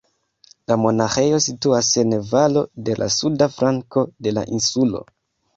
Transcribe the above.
La monaĥejo situas en valo de la suda flanko de la insulo.